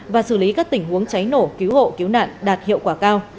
và xử lý các tình huống cháy nổ cứu hộ cứu nạn đạt hiệu quả cao